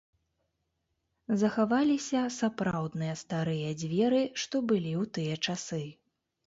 Захаваліся сапраўдныя старыя дзверы, што былі ў тыя часы.